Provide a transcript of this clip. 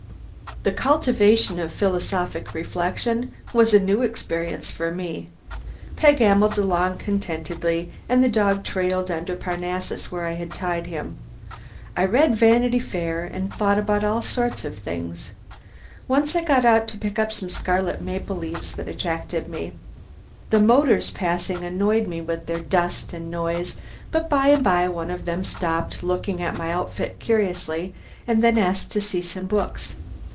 The cultivation of philosophic reflection was a new experience for me. Peg ambled along contentedly and the dog trailed under Parnassus where I had tied him. I read "Vanity Fair" and thought about all sorts of things. Once I got out to pick some scarlet maple leaves that attracted me. The motors passing annoyed me with their dust and noise, but by and by one of them stopped, looked at my outfit curiously, and then asked to see some books.